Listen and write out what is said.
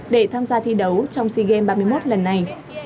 để tham gia thi đấu trong si game ba mươi một lần này